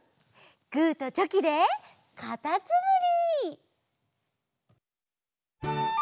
グーとチョキでかたつむり！